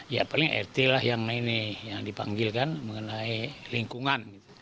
ya paling rt lah yang dipanggil kan mengenai lingkungan